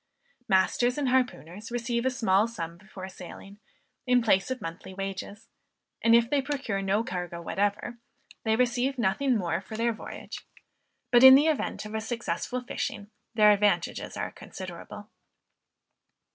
Masters and harpooners receive a small sum before sailing, in place of monthly wages; and if they procure no cargo whatever, they receive nothing more for their voyage; but in the event of a successful fishing, their advantages are considerable.